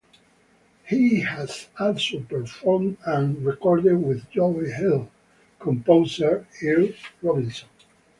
He has also performed and recorded with "Joe Hill" composer, Earl Robinson.